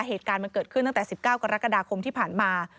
เหตุการณ์มันเกิดขึ้นตั้งแต่๑๙กรกฎาคมที่ผ่านมา